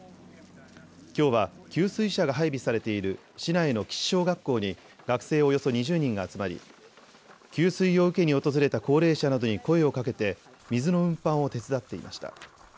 きょうは給水車が配備されている市内の貴志小学校に学生およそ２０人が集まり給水を受けに訪れた高齢者などに声をかけて水の運搬を手伝っていました。